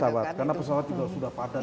karena pesawat juga sudah padat